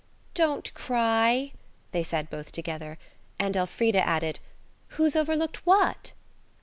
"Don't cry," they said both together; and Elfrida added, "Who's overlooked what?"